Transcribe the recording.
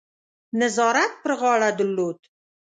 نظارت پر غاړه درلود.